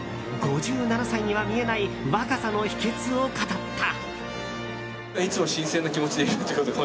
５７歳には見えない若さの秘訣を語った。